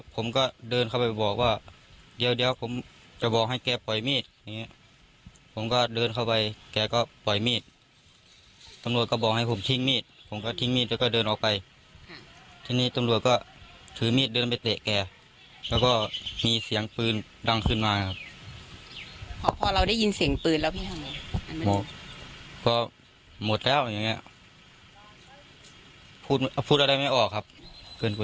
ผมก็เดินเข้าไปบอกว่าเดี๋ยวเดี๋ยวผมจะบอกให้แกปล่อยมีดอย่างเงี้ยผมก็เดินเข้าไปแกก็ปล่อยมีดตำรวจก็บอกให้ผมทิ้งมีดผมก็ทิ้งมีดแล้วก็เดินออกไปทีนี้ตำรวจก็ถือมีดเดินไปเตะแกแล้วก็มีเสียงปืนดังขึ้นมาครับพอเราได้ยินเสียงปืนแล้วพี่ทำไง